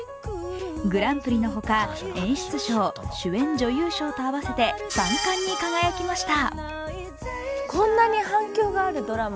グランプリのほか、演出賞主演女優賞と合わせて３冠に輝きました。